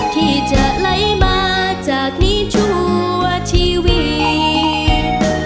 ที่จะไหลมาจากนี้ทั่วชีวิต